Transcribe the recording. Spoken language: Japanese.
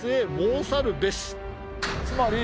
つまり。